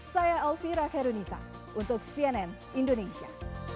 saya elvira herunisa untuk cnn indonesia